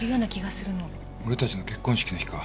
俺たちの結婚式の日か。